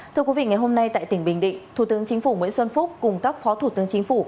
thưa quý vị ngày hôm nay tại tỉnh bình định thủ tướng chính phủ nguyễn xuân phúc cùng các phó thủ tướng chính phủ